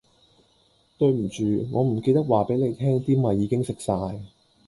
對唔住，我唔記得話俾你聽啲米已經食曬